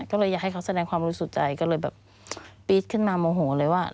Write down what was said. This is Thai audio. ก็เลยอยากให้เขาแสดงความบริสุทธิ์ใจก็เลยแบบปี๊ดขึ้นมาโมโหเลยว่า